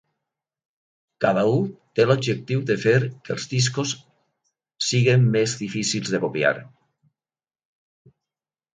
Cada un té l'objectiu de fer que els discos siguin més difícils de copiar.